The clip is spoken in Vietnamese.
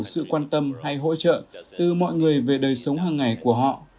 sự quan tâm hay hỗ trợ từ mọi người về đời sống hàng ngày của họ